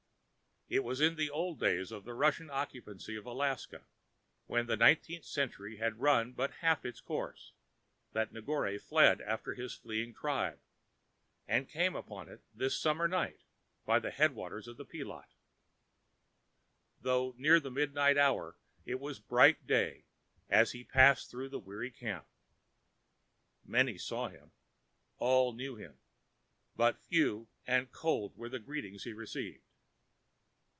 It was in the old days of the Russian occupancy of Alaska, when the nineteenth century had run but half its course, that Negore fled after his fleeing tribe and came upon it this summer night by the head waters of the Pee lat. Though near the midnight hour, it was bright day as he passed through the weary camp. Many saw him, all knew him, but few and cold were the greetings he received.